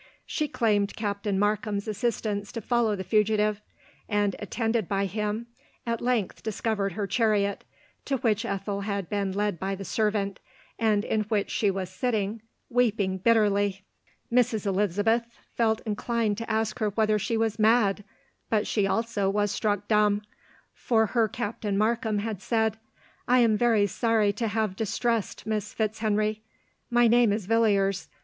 She claimed Captain Markham's assistance to follow the fugitive ; and, attended by him, at length discovered her chariot, to which Ethel had been led by the servant, and in which she was sitting, weeping bitterly, Mrs. Elizabeth felt inclined to ask her whether she was mad; but she also was struck dumb; for her Captain Markham had said —" I am very sorry to have distressed Miss Fitzhenry. My name is Villiers.